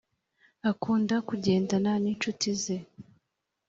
akunda kugendana ni inshuti ze